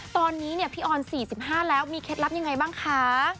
ตอนนี้พี่ออน๔๕แล้วมีเคล็ดลับยังไงบ้างคะ